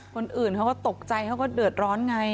คนอื่นเขาก็ตกใจเขาก็เดือดร้อนไง